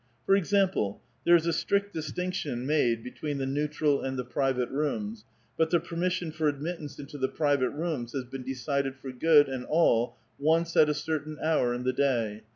For example, there is a strict distinction made between the neutral and the private rooms, but the permission for admittance into the private rooms has been decided for good and all once at a certain hour in the day.